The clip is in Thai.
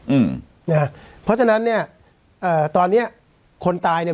อืมนะฮะเพราะฉะนั้นเนี้ยเอ่อตอนเนี้ยคนตายเนี้ย